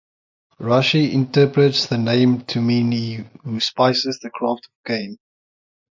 Rashi interprets the name to mean he who spices the craft of Cain.